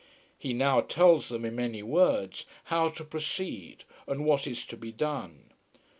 He now tells them, in many words, how to proceed and what is to be done.